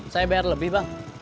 saya bayar lebih bang